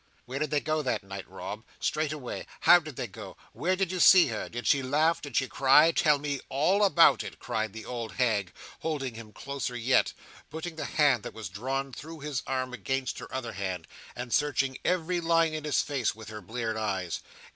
"Where did they go that night, Rob? Straight away? How did they go? Where did you see her? Did she laugh? Did she cry? Tell me all about it," cried the old hag, holding him closer yet, patting the hand that was drawn through his arm against her other hand, and searching every line in his face with her bleared eyes.